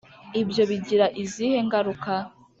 Ibyo bigira izihe ngaruka